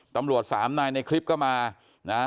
ตำรวจสามนายในคลิปก็มานะ